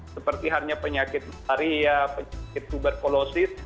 seperti hanya penyakit malaria penyakit tuberkulosis